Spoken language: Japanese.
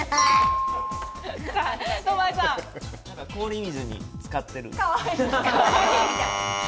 なんか氷水につかってる。